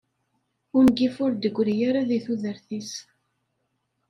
Ungif ur d-gri ara deg tudert-is.